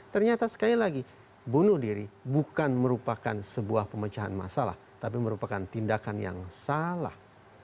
ternyata sekali lagi bunuh diri bukan merupakan sebuah pemecahan masalah tapi merupakan tindakan yang salah